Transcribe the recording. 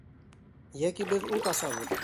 Йәки беҙ ут асабыҙ!